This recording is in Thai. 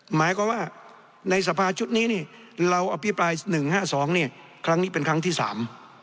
หมายความว่าในสภาชุดนี้นี่เราอภิปรายหนึ่งห้าสองเนี่ยครั้งนี้เป็นครั้งที่สาม